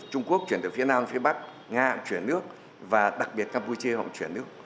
trung quốc chuyển từ phía nam phía bắc nga cũng chuyển nước và đặc biệt campuchia họ cũng chuyển nước